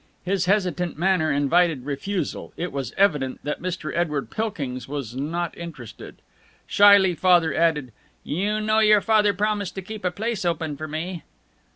His hesitant manner invited refusal. It was evident that Mr. Edward Pilkings was not interested. Shyly Father added, "You know your father promised to keep a place open for me."